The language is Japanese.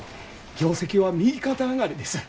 業績は右肩上がりです。